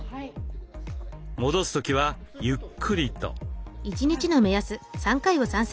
戻す時はゆっくりと。